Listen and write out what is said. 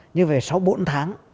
như vậy sáu bốn tháng